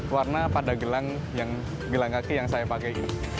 dan ini adalah gelang kaki yang saya pakai